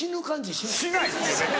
しないです！